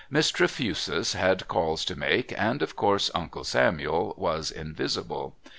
Miss Trefusis had calls to make, and, of course, Uncle Samuel was invisible.